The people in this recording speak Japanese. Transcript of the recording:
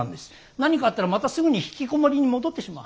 何かあったらまたすぐにひきこもりに戻ってしまう。